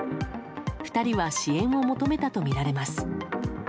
２人は支援を求めたとみられます。